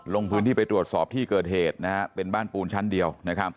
ลงพื้นที่ไปตรวจสอบที่เกิดเหตุเป็นบ้านปูนชั้นเดียว